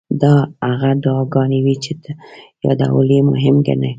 دا هغه دعاګانې وې چې یادول یې مهم ګڼم.